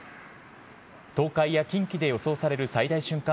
東海や近畿で予想される最大瞬間